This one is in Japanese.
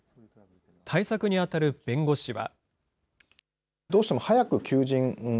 対策に当たる弁護士は。